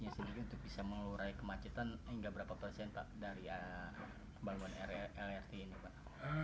ini sendiri untuk bisa mengurai kemacetan hingga berapa persen pak dari pembangunan lrt ini pak